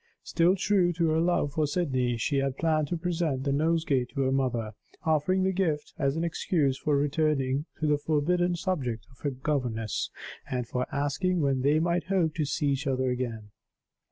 Still true to her love for Sydney, she had planned to present the nosegay to her mother, offering the gift as an excuse for returning to the forbidden subject of her governess, and for asking when they might hope to see each other again.